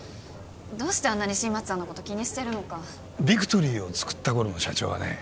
どうしてあんなに新町さんのこと気にしてるのかビクトリーをつくった頃の社長はね